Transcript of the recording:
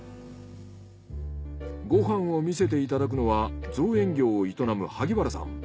ご飯を見せていただくのは造園業を営む萩原さん。